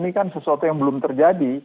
nah karena ini kan sesuatu yang belum terjadi